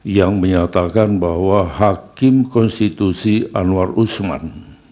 yang menyatakan bahwa hakim konstitusi anwar usman